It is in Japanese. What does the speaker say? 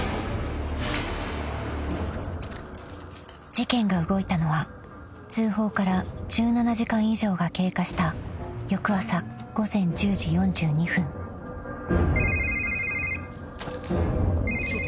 ［事件が動いたのは通報から１７時間以上が経過した翌朝午前１０時４２分］あっ。